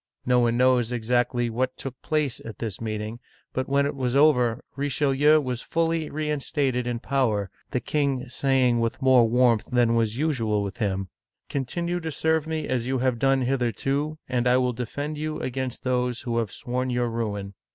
No one knows exactly what took place at this meeting. Digitized by Google 3IO OLD FRANCE but when it was over, Richelieu was fully reinstated in power, the king saying with more warmth than was usual with him, "Continue to serve me as you have done hitherto, and I will defend you against those who have sworn your ruin."